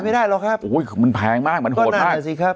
ไม่ได้หรอกครับโอ้โหมันแพงมากมันโหดมากนั่นสิครับ